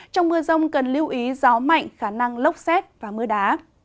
trong mưa rông cần lưu ý gió mạnh khả năng lốc xét và mưa đá